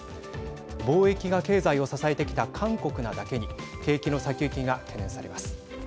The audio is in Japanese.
貿易が経済を支えてきた韓国なだけに景気の先行きが懸念されます。